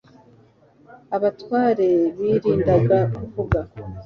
abatware birindaga kuvuga